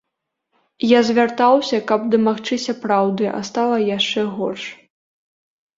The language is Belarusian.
Я звяртаўся, каб дамагчыся праўды, а стала яшчэ горш.